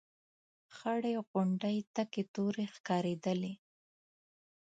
خړې غونډۍ تکې تورې ښکارېدلې.